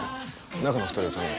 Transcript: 中の２人を頼む。